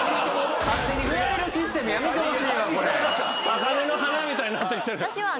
高嶺の花みたいになってきてる。